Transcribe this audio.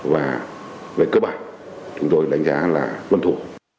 và về cơ bản chúng tôi đánh giá là tuân thủ